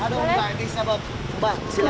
tidak bisa ibu